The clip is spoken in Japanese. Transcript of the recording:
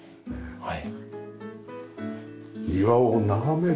はい。